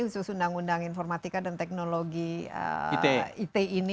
khusus undang undang informatika dan teknologi it ini